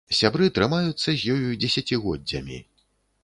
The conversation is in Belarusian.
Сябры трымаюцца з ёю дзесяцігоддзямі.